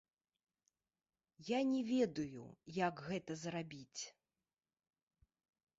Я не ведаю, як гэта зрабіць.